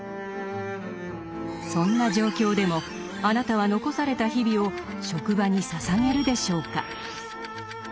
そんな状況でもあなたは残された日々を職場に捧げるでしょうか？